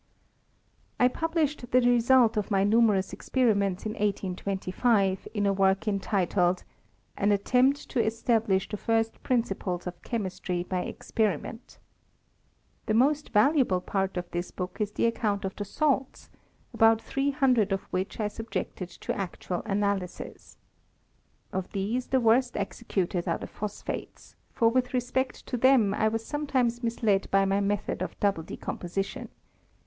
I published the result of my numerous experi ments in 1825, in a. work entitled An Attempt to establish the First Principles of Chemistry by Ex periment." The most valuable part of this book is the account of the salts ; about three hundred of which I subjected to actual analysis. Of these the worst executed are the phosphates ; for with respect to them I was sometimes misled by my method of double decomposition.